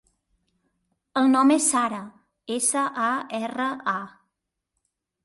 El nom és Sara: essa, a, erra, a.